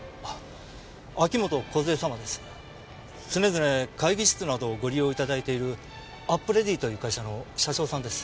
常々会議室などをご利用頂いているアップレディという会社の社長さんです。